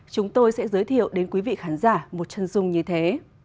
chúng tôi sẽ giới thiệu đến quý vị khán giả một chân dung như thế